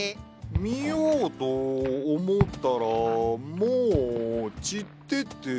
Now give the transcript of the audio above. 見ようと思ったらもう散ってて。